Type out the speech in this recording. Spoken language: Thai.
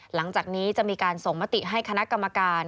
หลังจากนี้จะมีการส่งมติให้คณะกรรมการ